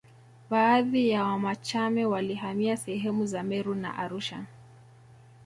Baadhi ya Wamachame walihamia sehemu za Meru na Arusha